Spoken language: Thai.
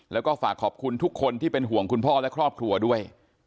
แล้วก็ฝากขอบคุณทุกคนที่เป็นห่วงคุณพ่อและครอบครัวด้วย